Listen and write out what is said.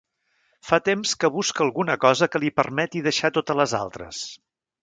Fa temps que busca alguna cosa que li permeti deixar totes les altres.